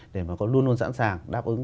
để mà có luôn luôn sẵn sàng đáp ứng